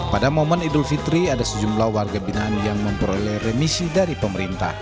pada momen idul fitri ada sejumlah warga binaan yang memperoleh remisi dari pemerintah